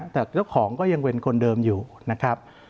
แต่เจ้าของก็ยังเป็นคนเดิมอยู่นะครับ